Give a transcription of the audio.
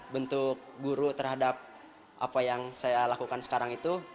bentuk guru terhadap apa yang saya lakukan sekarang itu